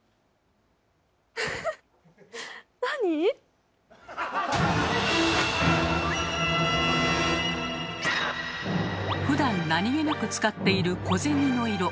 フフフッなに⁉ふだん何気なく使っている小銭の色。